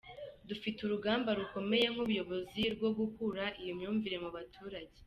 Dufite urugamba rukomeye nk’ubuyobozi rwo gukura iyi myumvire mu baturage.